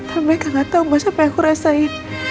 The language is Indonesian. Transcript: mereka gak tau mas apa yang aku rasain